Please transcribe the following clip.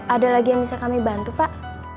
ada lagi yang bisa kami bantu pak